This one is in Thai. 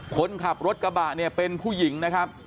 คนขับรถกระบะเนี่ยเป็นผู้หญิงนะครับ